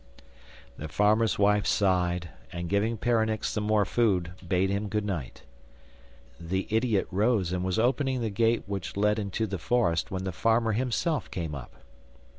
The farmer's wife sighed and, giving Peronnik some more food, bade him good night. The idiot rose and was opening the gate which led into the forest when the farmer himself came up.